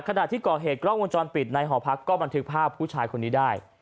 ขณะที่ก่อเหตุกล้องวงจรปิดในหอพักก็บันทึกภาพผู้ชายคนนี้ได้